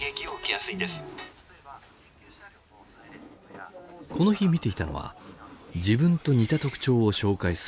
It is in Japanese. この日見ていたのは自分と似た特徴を紹介する動画。